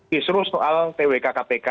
disuruh soal twk kpk